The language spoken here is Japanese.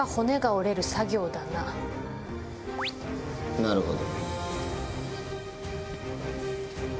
なるほど。